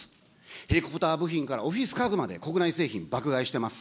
ヘリコプター部品からオフィス家具まで、国内製品、爆買いしてます。